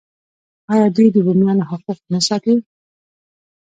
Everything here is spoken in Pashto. آیا دوی د بومیانو حقوق نه ساتي؟